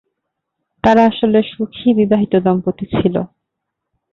তারা আসলে সুখী-বিবাহিত দম্পতি ছিল।